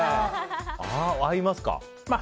合いますか？